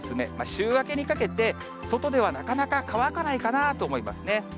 週明けにかけて、外ではなかなか乾かないかなと思いますね。